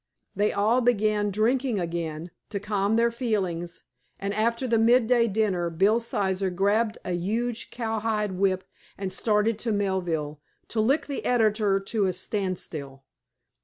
They all began drinking again, to calm their feelings, and after the midday dinner Bill Sizer grabbed a huge cowhide whip and started to Millville to "lick the editor to a standstill."